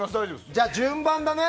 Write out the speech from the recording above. じゃあ順番だね。